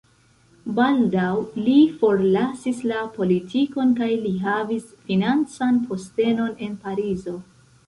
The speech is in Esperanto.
Baldaŭ li forlasis la politikon kaj li havis financan postenon en Parizo.